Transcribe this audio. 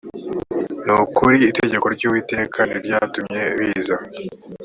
ni ukuri itegeko ry uwiteka ni ryo ryatumye biza